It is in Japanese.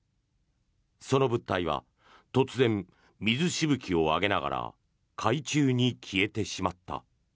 その物体は突然、水しぶきを上げながら海中に消えてしまった。